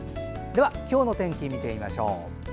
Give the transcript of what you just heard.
では、今日の天気を見てみましょう。